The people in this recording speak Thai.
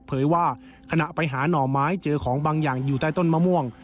เผยว่าขณะไปหาหน่อไม้เจอของบางอย่างอยู่ใต้ต้นมะม่วง